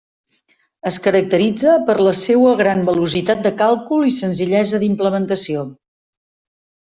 Es caracteritza per la seua gran velocitat de càlcul i senzillesa d'implementació.